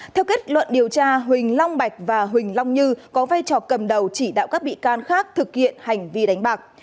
theo kết luận điều tra huỳnh long bạch và huỳnh long như có vai trò cầm đầu chỉ đạo các bị can khác thực hiện hành vi đánh bạc